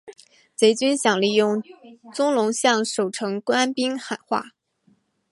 贼军想利用宗龙向守城官兵喊话。